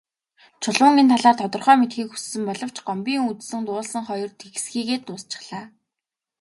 Чулуун энэ талаар тодорхой мэдэхийг хүссэн боловч Гомбын үзсэн дуулсан хоёр тэгсхийгээд дуусчихлаа.